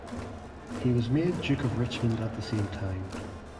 He was made Duke of Richmond at the same time.